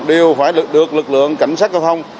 đều phải được lực lượng cảnh sát giao thông